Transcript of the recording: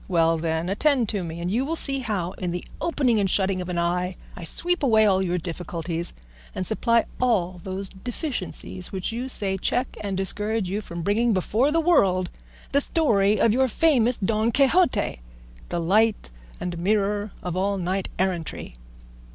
Well, then, attend to me, and you will see how, in the opening and shutting of an eye, I sweep away all your difficulties, and supply all those deficiencies which you say check and discourage you from bringing before the world the story of your famous Don Quixote, the light and mirror of all knight errantry."